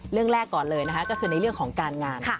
เรื่องแรกก่อนเลยนะคะก็คือในเรื่องของการงาน